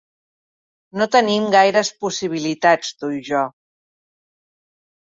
No tenim gaires possibilitats tu i jo.